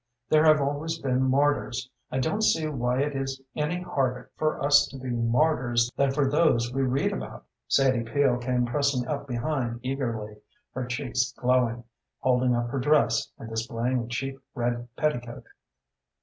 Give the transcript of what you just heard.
There have always been martyrs; I don't see why it is any harder for us to be martyrs than for those we read about." Sadie Peel came pressing up behind eagerly, her cheeks glowing, holding up her dress, and displaying a cheap red petticoat.